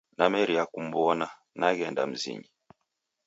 Nameria kum'wona, neghenda mzinyi.